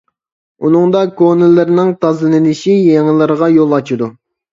ئۇنىڭدا كونىلىرىنىڭ تازىلىنىشى يېڭىلىرىغا يول ئاچىدۇ.